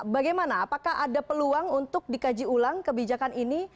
bagaimana apakah ada peluang untuk dikaji ulang kebijakan ini